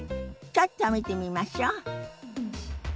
ちょっと見てみましょ。